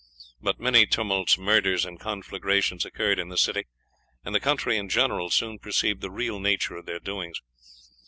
But many tumults, murders, and conflagrations occurred in the city, and the country in general soon perceived the real nature of their doings.